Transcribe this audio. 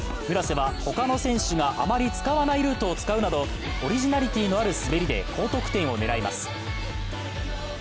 村瀬は、他の選手があまり使わないルートを使うなどオリジナリティーのある滑りで高得点を狙います。